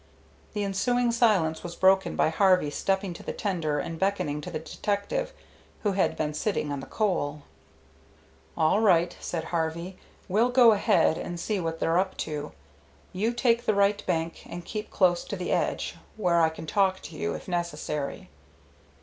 The ensuing silence was broken by Harvey stepping to the tender and beckoning to the detective, who had been sitting on the coal. "All right," said Harvey. "We'll go ahead and see what they're up to. You take the right bank, and keep close to the edge where I can talk to you if necessary."